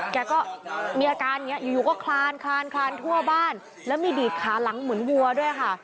แกก็มีอาการอย่างนี้อยู่ก็คลานคลานทั่วบ้านแล้วมีดีดขาหลังเหมือนวัวด้วยค่ะ